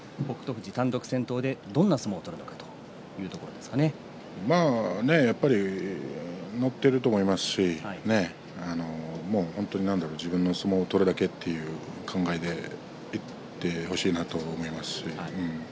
富士が単独先頭でどんな相撲を取るかやっぱり乗っていると思いますし自分の相撲を取るだけという考えでいってほしいなと思います。